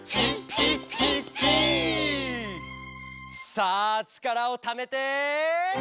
「さあちからをためて！」